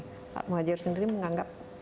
pak muhajir sendiri menganggap apa ini